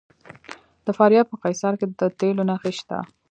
د فاریاب په قیصار کې د تیلو نښې شته.